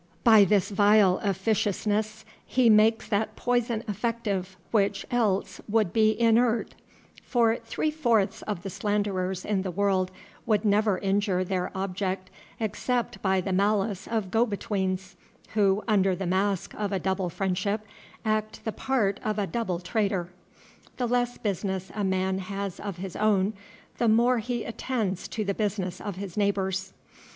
By this vile officiousness he makes that poison effective which else would be inert; for three fourths of the slanderers in the world would never injure their object except by the malice of go betweens, who, under the mask of a double friendship, act the part of a double traitor. The less business a man has of his own, the more he attends to the business of his neighbors.